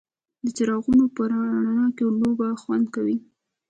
د څراغونو په رڼا کې لوبه خوند کوي.